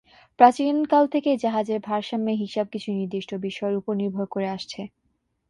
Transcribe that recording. প্রাচীনকাল থেকেই জাহাজের ভারসাম্যের হিসাব কিছু নির্দিষ্ট বিষয়ের উপর নির্ভর করে আসছে।